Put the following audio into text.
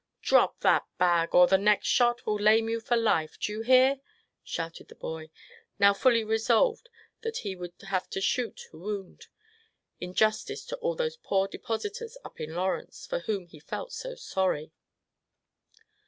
"Drop that bag, or the next shot will lame you for life, do you hear?" shouted the boy, now fully resolved that he would have to shoot to wound, in justice to all those poor depositors up in Lawrence, for whom he felt so sorry.